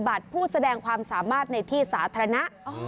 บัตรผู้แสดงความสามารถในที่สาธารณะ